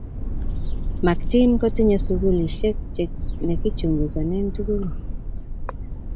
maktin kotinyei sukulisiek lekichunguzane tukun